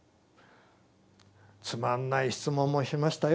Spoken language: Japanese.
つまんない質問もしましたよ。